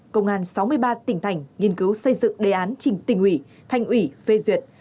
công an sáu mươi ba tỉnh thành nghiên cứu xây dựng đề án trình tỉnh ủy thanh ủy phê duyệt